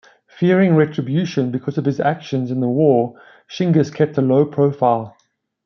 Fearing retribution because of his actions in the war, Shingas kept a low profile.